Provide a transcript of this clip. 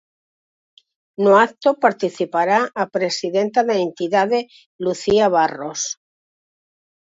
No acto participará a presidenta da entidade, Lucía Barros.